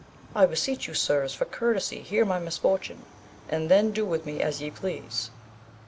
I beseech you sirs for courtesy hear my misfortune, and then do with me as ye please.